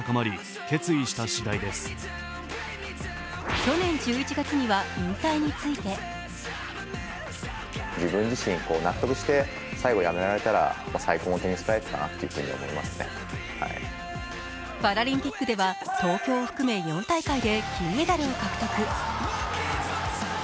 去年１１月には引退についてパラリンピックでは東京を含め４大会で金メダルを獲得。